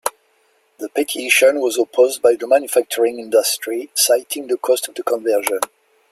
The petition was opposed by the manufacturing industry, citing the cost of the conversion.